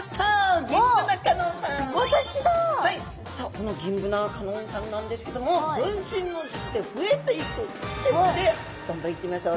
このギンブナ香音さんなんですけども分身の術で増えていくということでどんどんいってみましょう。